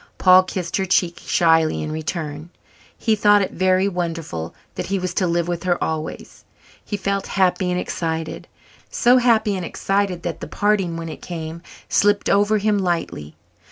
Paul kissed her cheek shyly in return. He thought it very wonderful that he was to live with her always. He felt happy and excited so happy and excited that the parting when it came slipped over him lightly.